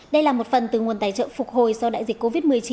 đây là một phần từ nguồn tài trợ phục hồi sau đại dịch covid một mươi chín